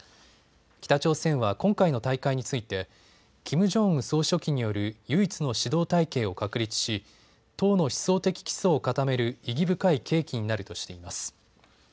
北朝鮮は今回の大会についてキム・ジョンウン総書記による唯一の指導体系を確立し党の思想的基礎を固める意義深い契機になるとしています。